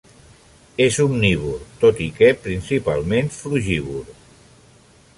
És omnívor, tot i que principalment frugívor.